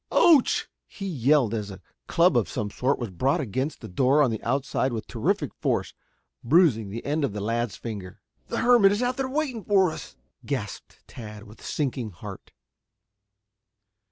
"Ouch!" he yelled as a club of some sort was brought against the door on the outside with terrific force, bruising the end of the lad's finger. "The hermit is out there waiting for us!" gasped Tad, with sinking heart.